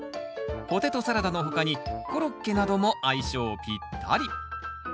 ポテトサラダの他にコロッケなども相性ピッタリ。